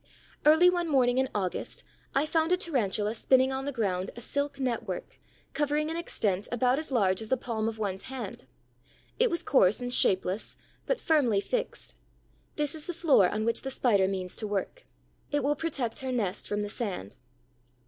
Early one morning in August, I found a Tarantula spinning on the ground a silk network covering an extent about as large as the palm of one's hand. It was coarse and shapeless, but firmly fixed. This is the floor on which the Spider means to work. It will protect her nest from the sand.